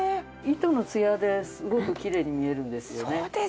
糸のツヤですごくきれいに見えるんですよね。